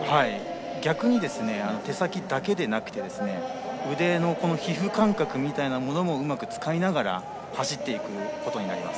逆に、手先だけでなくて腕の皮膚感覚みたいなものもうまく使いながら走っていくことになります。